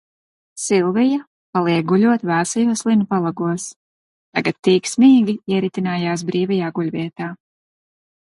Silvija paliek guļot vēsajos linu palagos, tagad tīksmīgi ieritinājās brīvajā guļvietā.